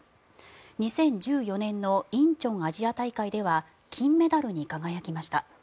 ２０１４年の仁川アジア大会では金メダルに輝きました。